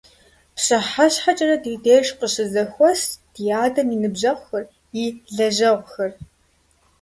ПщыхьэщхьэкӀэрэ ди деж къыщызэхуэст ди адэм и ныбжьэгъухэр, и лэжьэгъухэр.